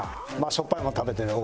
しょっぱいもの食べてる。